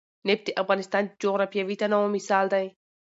نفت د افغانستان د جغرافیوي تنوع مثال دی.